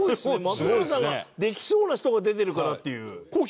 松村さんができそうな人が出てるからっていう。